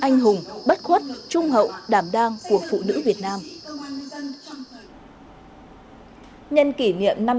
nhân kỷ niệm năm mươi năm năm